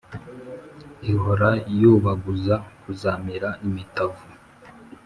ihora yubaguza kuzamira imitavu.